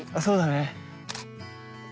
そうだね。